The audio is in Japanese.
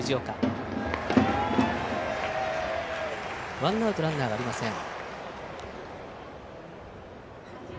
ワンアウトランナーはありません。